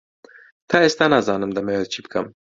تا ئێستا نازانم دەمەوێت چی بکەم.